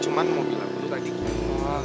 cuma mobil aku tuh tadi